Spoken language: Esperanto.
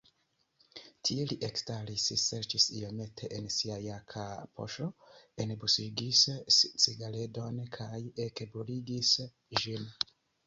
Tie li ekstaris, serĉis iomete en sia jaka poŝo, enbuŝigis cigaredon kaj ekbruligis ĝin.